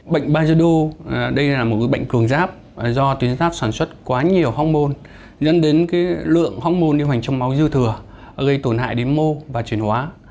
bệnh bajedo đây là một bệnh cường giáp do tuyến giáp sản xuất quá nhiều hormôn dẫn đến lượng hormôn đi hoành trong máu dư thừa gây tổn hại đến mô và truyền hóa